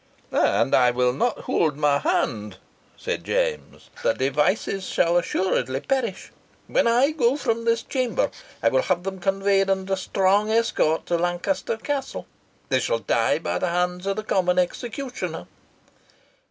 "And I will not hold my hand," said James. "The Devices shall assuredly perish. When I go from this chamber, I will have them conveyed under a strong escort to Lancaster Castle. They shall die by the hands of the common executioner."